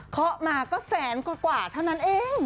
เขามาก็แสนกว่าเท่านั้นเอง